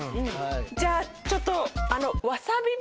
じゃあちょっと。